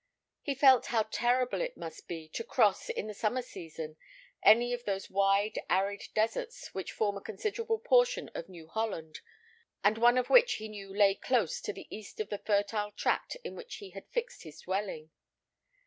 He felt how terrible it must be to cross, in the summer season, any of those wide, arid deserts which form a considerable portion of New Holland, and one of which he knew lay close to the east of the fertile tract in which he had fixed his dwelling.